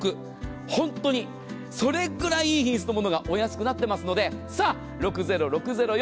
本当にそれくらい品質の良いものがお安くなっていますので６０６０４